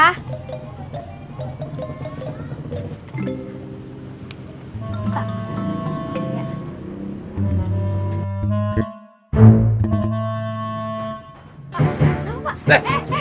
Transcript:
pak tunggu sebentar ya